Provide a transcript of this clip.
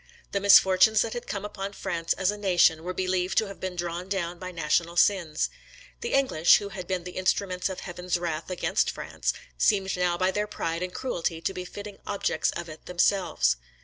The misfortunes that had come upon France as a nation, were believed to have been drawn down by national sins. The English, who had been the instruments of Heaven's wrath against France, seemed now by their pride and cruelty to be fitting objects of it themselves.